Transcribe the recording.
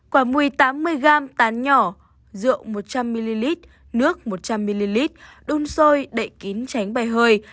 quả mùi tám mươi g tán nhỏ rượu một trăm linh ml nước một trăm linh ml đun sôi đậy kín tránh bài hơi